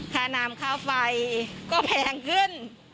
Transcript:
ค่าน้ำค่าไฟก็แพงขึ้น